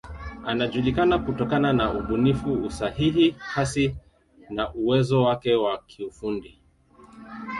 Anajulikana kutokana na ubunifu, usahihi, kasi na uwezo wake wa kiufundi.